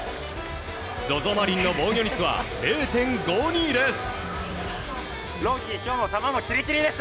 ＺＯＺＯマリンの防御率は０．５２です。